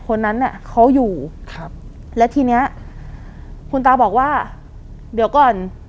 คนนั้นน่ะเขาอยู่ครับแล้วทีเนี้ยคุณตาบอกว่าเดี๋ยวก่อน